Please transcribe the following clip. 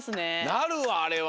なるわあれは。